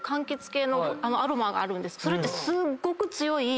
それってすっごく。